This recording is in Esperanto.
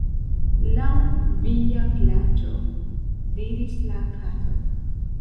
"Laŭ via plaĉo," diris la Kato.